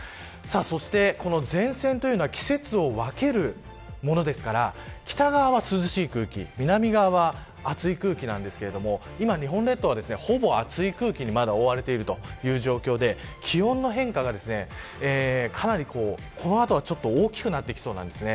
そして、この前線というのは季節を分けるものですから北側は涼しい空気、南側は熱い空気なんですけど今、日本列島は、ほぼ熱い空気に覆われているという状況で気温の変化がこの後は大きくなってきそうです。